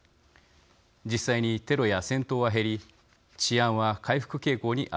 実際にテロや戦闘は減り治安は回復傾向にあるとされます。